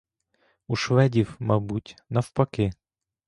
У шведів, мабуть, навпаки.